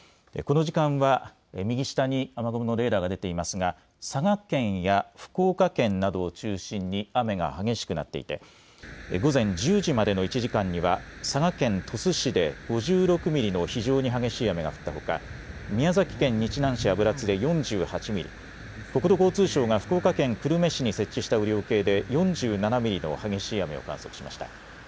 この時間は右下に雨雲のレーダーが出ていますが佐賀県や福岡県などを中心に雨が激しくなっていて午前１０時までの１時間には佐賀県鳥栖市で５６ミリの非常に激しい雨が降ったほか宮崎県日南市油津で４８ミリ、国土交通省が福岡県久留米市に設置した雨量計で４７ミリの激しい雨を観測しました。